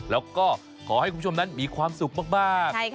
แล้วก็ขอให้คุณผู้ชมนั้นมีความสุขมาก